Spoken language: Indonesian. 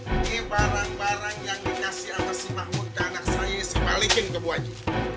ini barang barang yang dikasih sama si mahmud dan anak saya si balikin ke bu aji